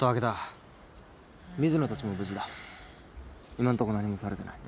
今んとこ何もされてない。